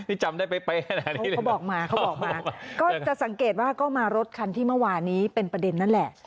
จำได้เป๊ะเขาบอกมาเขาบอกมาก็จะสังเกตว่าก็มารถคันที่เมื่อวานนี้เป็นประเด็นนั่นแหละ